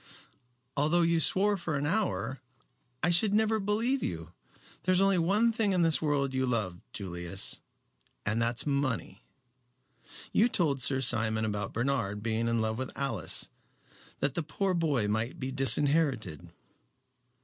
"Although you swore for an hour, I should never believe you. There is only one thing in this world you love, Julius, and that is money. You told Sir Simon about Bernard being in love with Alice, that the poor boy might be disinherited."